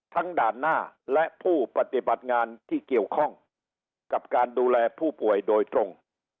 ด่านหน้าและผู้ปฏิบัติงานที่เกี่ยวข้องกับการดูแลผู้ป่วยโดยตรง